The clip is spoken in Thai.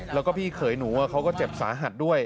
แล้วก็พี่เขยหนูเขาก็เจ็บสาหัสด้วย